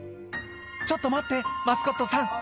「ちょっと待ってマスコットさん」